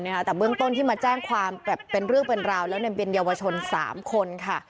แต่เบื้องต้นที่มาแจ้งความแบบเป็นเรื่องเป็นราวแล้วเนี่ยเป็นเยาวชน๓คนค่ะ